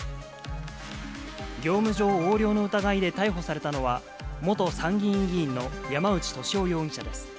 業務上横領の疑いで逮捕されたのは、元参議院議員の山内俊夫容疑者です。